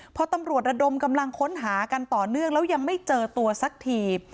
พอตำรวจระดมกำลังค้นหากันต่อเนื่องแล้วยังไม่เจอตัวสักที